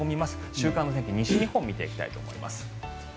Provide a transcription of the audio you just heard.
週間天気、西日本を見ていきたいと思います。